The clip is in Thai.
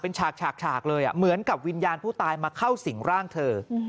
เป็นฉากเลยเหมือนกับวิญญาณผู้ตายมาเข้าสิ่งร่างเธอ